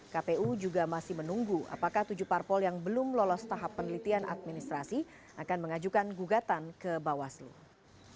kpu juga masih menunggu apakah tujuh parpol yang belum lolos tahap penelitian administrasi akan mengajukan gugatan ke bawah seluruh